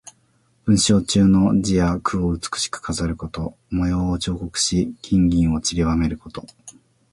文章中の字や句を美しく飾ること。模様を彫刻し、金銀をちりばめること。